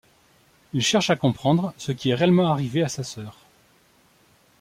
Il cherche à comprendre ce qui est réellement arrivé à sa sœur.